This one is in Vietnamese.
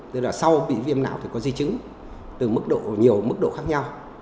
tức là sau bị viêm não thì có di chứng từ nhiều mức độ khác nhau